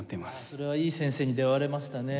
それはいい先生に出会われましたね